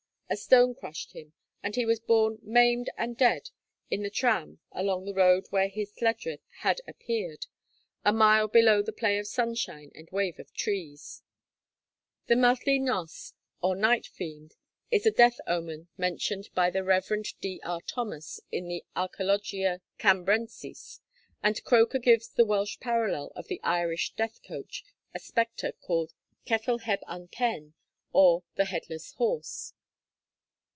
A stone crushed him, and he was borne maimed and dead in the tram along the road where his lledrith had appeared, 'a mile below the play of sunshine and wave of trees.' The Mallt y Nos, or night fiend, is a death omen mentioned by Rev. D. R. Thomas in the 'Archæologia Cambrensis'; and Croker gives as the Welsh parallel of the Irish death coach a spectre called ceffyl heb un pen, or the headless horse.